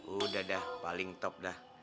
udah dah paling top dah